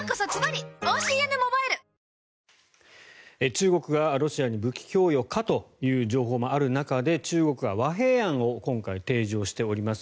中国がロシアに武器供与かという情報もある中で中国が和平案を今回、提示をしております。